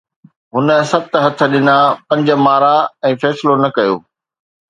هن ست هٽ ڏنا، پنج مارا ۽ فيصلو نه ڪيو